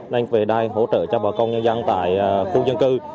nên về đây hỗ trợ cho bà con nhân dân tại khu dân cư